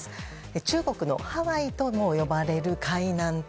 中国のハワイとも呼ばれる海南島。